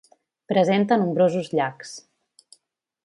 Presenta nombrosos llacs.